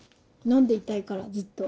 飲んでいたいからずっと。